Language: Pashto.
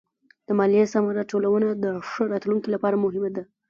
د ماليې سمه راټولونه د ښه راتلونکي لپاره مهمه ده.